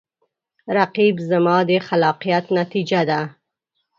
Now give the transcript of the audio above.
رقیب زما د خلاقیت نتیجه ده